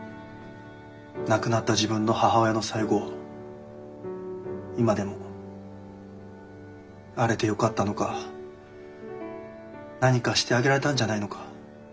亡くなった自分の母親の最期を今でもあれでよかったのか何かしてあげられたんじゃないのか。